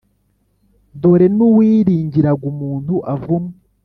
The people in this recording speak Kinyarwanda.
Dore n uwiringiraga umuntu avumwe